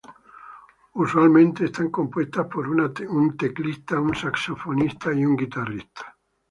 Usualmente están compuestas por un teclista, un saxofonista y un guitarrista.